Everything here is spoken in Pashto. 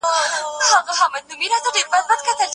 اسلامي احکام د بشریت د خیر لپاره دي.